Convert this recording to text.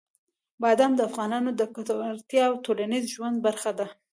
بادام د افغانانو د ګټورتیا او ټولنیز ژوند برخه ده.